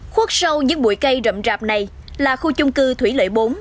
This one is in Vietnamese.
khuất sâu những bụi cây rậm rạp này là khu chung cư thủy lợi bốn